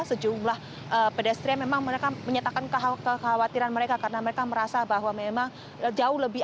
sejumlah pedestrian memang mereka menyatakan kekhawatiran mereka karena mereka merasa bahwa memang jauh lebih